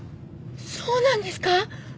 そうなんですか！？